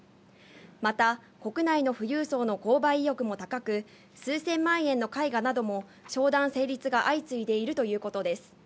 また国内の富裕層の購買意欲も高く、数千万円の絵画なども商談成立が相次いでいるということです。